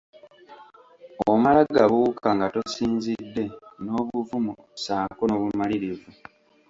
Omala gabuuka nga tosinzidde n'obuvumu ssaako n'obumalirivu.